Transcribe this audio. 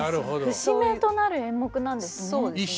節目となる演目なんですね。